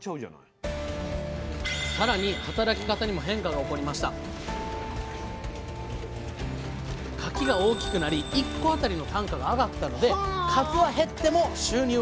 更に働き方にも変化が起こりましたかきが大きくなり１個あたりの単価が上がったので数は減っても収入は安定。